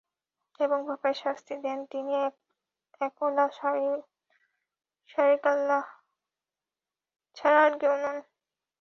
এবং পাপের শাস্তি দেন তিনি এক ও লা-শরীক আল্লাহ ছাড়া আর কেউ নন।